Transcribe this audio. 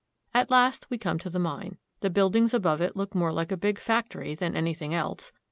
At last we come to the mine. The buildings above it look more like a big factory than anything else.